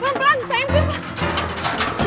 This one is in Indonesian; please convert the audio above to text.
pelan pelan sayang pelan pelan